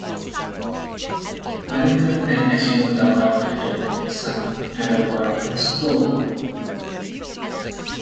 Berengar then assumed the royal title with his son Adalbert as co-ruler.